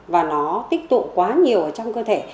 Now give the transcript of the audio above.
và nó tích tụ quá nhiều ở trong cơ thể